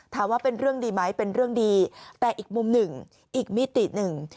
ถามว่าเป็นเรื่องดีไหมเป็นเรื่องดีแต่อีกมุมหนึ่งอีกมิติหนึ่ง